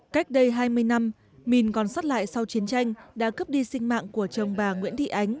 cách đây hai mươi năm mìn còn sót lại sau chiến tranh đã cướp đi sinh mạng của chồng bà nguyễn thị ánh